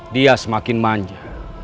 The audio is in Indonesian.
dia semakin manja